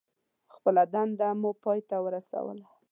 خپله دنده مو پای ته ورسوله.